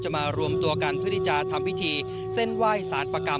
มารวมตัวกันเพื่อที่จะทำพิธีเส้นไหว้สารประกรรม